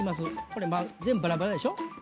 これ全部バラバラでしょ？